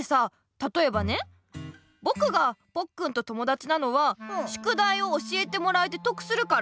たとえばねぼくがポッくんと友だちなのはしゅくだいを教えてもらえて得するから。